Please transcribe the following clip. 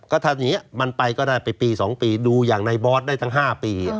ก็ถ้าอย่างนี้มันไปก็ได้ไปปี๒ปีดูอย่างในบอสได้ทั้ง๕ปี